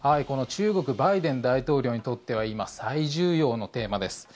中国バイデン大統領にとっては今、最重要のテーマです。